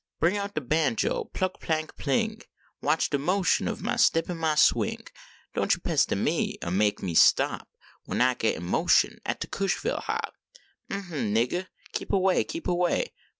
Bring out de banjo plunk plank pling, Watch de motion of mah step an mah swing ; Don t yo pestah me or make me stop When I git in motion at de Cushville hop. Um hm, niggah, keep away, keep away